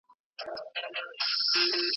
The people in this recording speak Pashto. آزموینه د څېړني مهمه برخه ده.